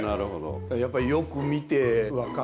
やっぱりよく見て分かって作ってる。